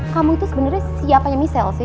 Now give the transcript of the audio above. kamu itu sebenarnya siapanya michelle sih